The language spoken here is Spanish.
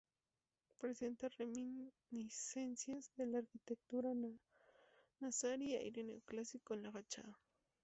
Presenta reminiscencias de la arquitectura nazarí y aire neoclásico en la fachada.